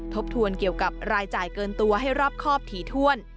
ทบทวนเกี่ยวกับรายจ่ายเกินตัวให้รอบครอบถี่ถ้วน